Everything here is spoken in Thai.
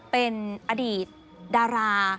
เป็นอดีตดารา